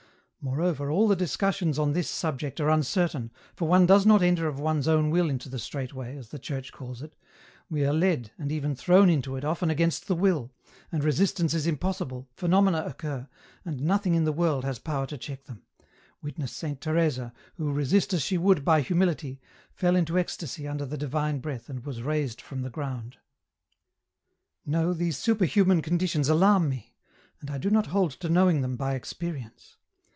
Moreover, all the discussions on this subject are uncertain, for one does not enter of one's own will into the strait way, as the Church calls it, we are led, and even thrown into it often against the will, and re sistance is impossible, phenomena occur, and nothing in the world has power to check them ; witness Saint Teresa, who, resist as she would by humility, fell into ecstasy under the divine breath, and was raised from the ground. " No, these superhuman conditions alarm me, and I do not hold to knowing them by experience.